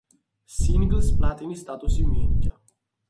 სინგლს პლატინის სტატუსი მიენიჭა.